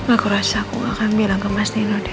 aku rasa aku akan bilang ke mas dino deh